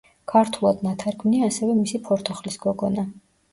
ქართულად ნათარგმნია ასევე მისი „ფორთოხლის გოგონა“.